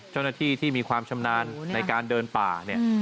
เจ้าหน้าที่ที่มีความชำนาญในการเดินป่าเนี่ย